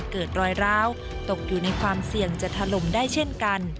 เกิดรอยร้าวตกอยู่ในความเสี่ยงจะถล่มได้เช่นกัน